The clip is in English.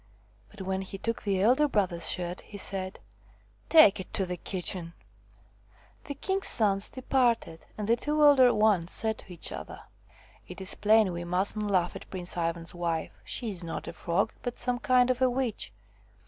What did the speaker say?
But when he took the elder brother's shirt, he said: ' Take it to the kitchen !" The king's sons departed, and the two elder ones said to each other :" It is plain we mustn't laugh at Prince Ivan's wife ; she is not a Frog, but some kind of a witch."